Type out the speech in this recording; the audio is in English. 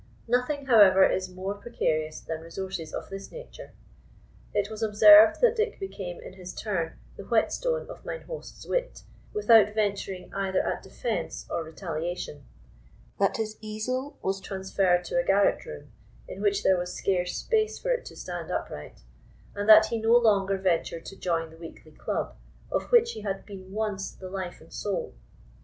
Nothing, however, is more precarious than resources of this nature. It was observed that Dick became in his turn the whetstone of mine host's wit, without venturing either at defence or retaliation; that his easel was transferred to a garret room, in which there was scarce space for it to stand upright; and that he no longer ventured to join the weekly club, of which he had been once the life and soul.